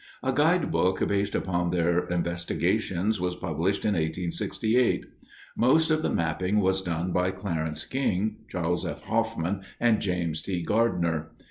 A guidebook based upon their investigations was published in 1868. Most of the mapping was done by Clarence King, Charles F. Hoffmann, and James T. Gardiner.